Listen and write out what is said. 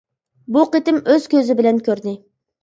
بۇ قېتىم ئۆز كۆزى بىلەن كۆردى.